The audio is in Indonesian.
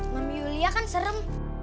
mami yulia kan serem